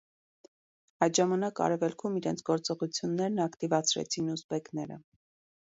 Այդ ժամանակ արևելքում իրենց գործողություններն ակտիվացրեցին ուզբեկները։